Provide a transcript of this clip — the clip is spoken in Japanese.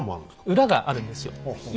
裏があるんですよ。